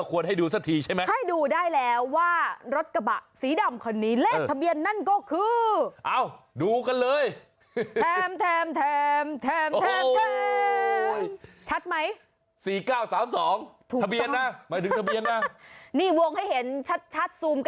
ครูนิวนาว